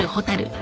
あ！